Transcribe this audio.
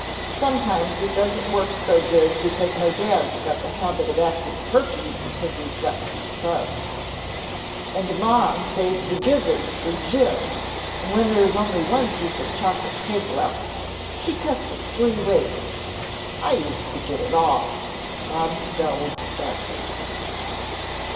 Sometimes it doesn't work so good because my Dad's got the habit of acting perky because he's got two sons " "And Mom saves the gizzards for Jim and when there is only one piece of chocolate cake left, she cuts it three ways; I used to get it all." Bob scowled darkly.